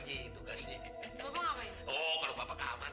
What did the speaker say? kalau papa keamanan